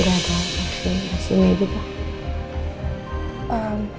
gak ada asin asinnya juga